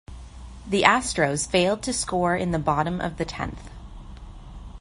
The Astros failed to score in the bottom of the tenth.